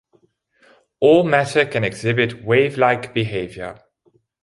All matter can exhibit wave-like behavior.